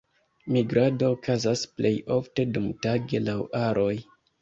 Migrado okazas plej ofte dumtage laŭ aroj.